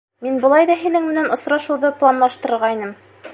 Мин былай ҙа һинең менән осрашыуҙы планлаштырғайным.